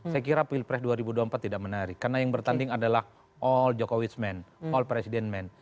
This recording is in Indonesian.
saya kira pilpres dua ribu dua puluh empat tidak menarik karena yang bertanding adalah all jokowis men all president men